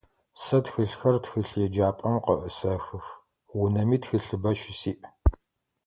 Сэ тхылъхэр тхылъеджапӏэм къыӏысэхых, унэми тхылъыбэ щысиӏ.